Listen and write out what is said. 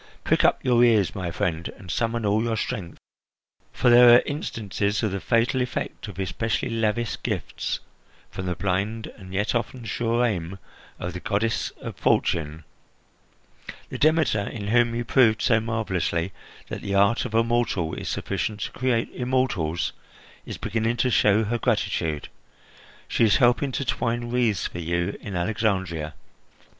Prick up your ears, my friend, and summon all your strength, for there are instances of the fatal effect of especially lavish gifts from the blind and yet often sure aim of the goddess of Fortune. The Demeter, in whom you proved so marvellously that the art of a mortal is sufficient to create immortals, is beginning to show her gratitude. She is helping to twine wreaths for you in Alexandria."